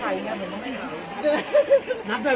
อันนี้ละครับ